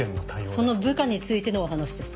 その部下についてのお話です